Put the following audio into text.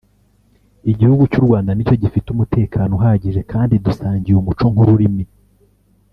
Igihugu cy’u Rwanda ni cyo gifite umutekano uhagije kandi dusangiye umuco nk’ururimi